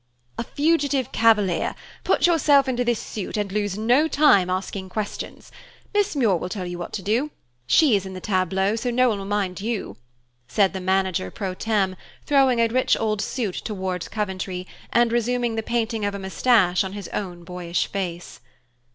"A fugitive cavalier. Put yourself into this suit, and lose no time asking questions. Miss Muir will tell you what to do. She is in the tableau, so no one will mind you," said the manager pro tem, throwing a rich old suit toward Coventry and resuming the painting of a moustache on his own boyish face.